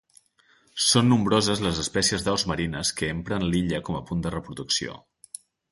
Són nombroses les espècies d'aus marines que empren l'illa com a punt de reproducció.